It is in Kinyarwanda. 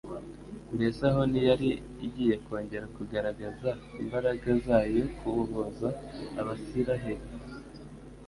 Mbese aho ntiyari igiye kongera kugaragaza imbaraga zayo kubohozaAbasirayeli,